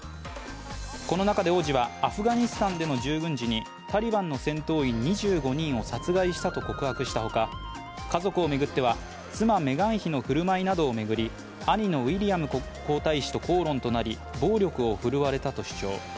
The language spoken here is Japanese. この中で王子はアフガニスタンでの従軍時にタリバンの戦闘員２５人を殺害したと告白したほか家族を巡っては妻・メガン妃の振る舞いなどを巡り、兄のウィリアム皇太子と口論となり暴力を振るわれたと主張。